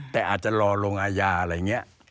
แต่อาจจะรอลงอาญาอะไรอย่างนี้